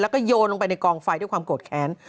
แล้วก็โยนลงไปในกองไฟด้วยความโกรธแค้น